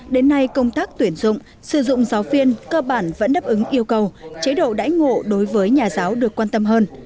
đến nay công tác tuyển dụng sử dụng giáo viên cơ bản vẫn đáp ứng yêu cầu chế độ đãi ngộ đối với nhà giáo được quan tâm hơn